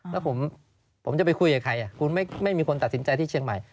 แล้วผมจะไปคุยกับใครคุณไม่มีคนตัดสินใจที่เชียงใหม่